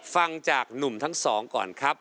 ฟังจากหนุ่มทั้งสองก่อนครับ